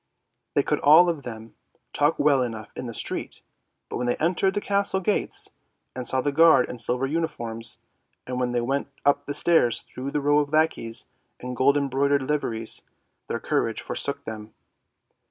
They could all of them talk well enough in the street, but when they entered the castle gates, and saw the guard in silver uniforms, and when they went up the stairs through rows of lackeys in gold embroidered liveries, their courage forsook them.